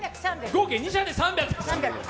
合計、２射で３００。